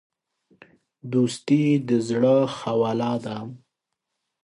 دوستي د زړه خواله ده.